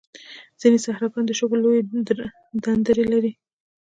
ځینې صحراګان د شګو لویې ډنډرې لري.